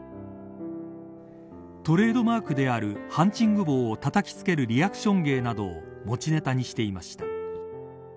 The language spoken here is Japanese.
トレードマークであるハンチング帽をたたきつけるリアクション芸など持ちネタにしていました。